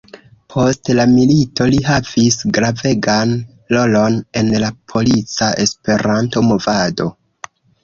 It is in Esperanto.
Post la milito li havis gravegan rolon en la polica Esperanto-movado.